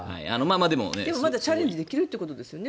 でもまだチャレンジできるということですよね。